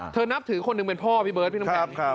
นับถือคนหนึ่งเป็นพ่อพี่เบิร์ดพี่น้ำแข็ง